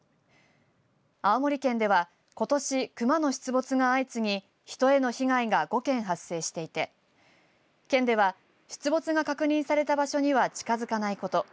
青森県では、ことし熊の出没が相次ぎ人への被害が５件発生していて県では出没が確認された場所には近づかないこと